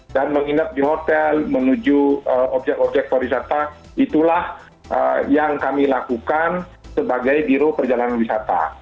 dan menginap di hotel menuju objek objek perwisata itulah yang kami lakukan sebagai biru perjalanan wisata